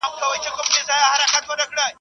تقدير په تدبير پوري خاندي.